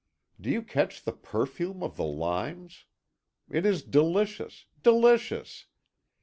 Do you catch the perfume of the limes? It is delicious delicious!